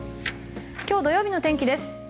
今日、土曜日の天気です。